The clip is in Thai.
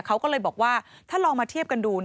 เขาก็เลยบอกว่าถ้าลองมาเทียบกันดู